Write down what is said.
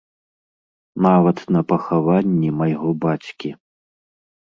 Нават на пахаванні майго бацькі.